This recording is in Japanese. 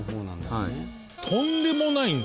とんでもないんだ。